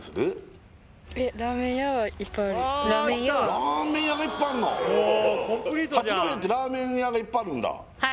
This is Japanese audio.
ラーメン屋がいっぱいあんの？